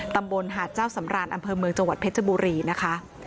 ตำบลหาดเจ้าสำรานอำเภอเมืองจังหวัดเพชรบุรีนะคะ